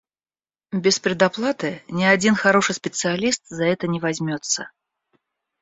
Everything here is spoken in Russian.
Без предоплаты ни один хороший специалист за это не возьмётся.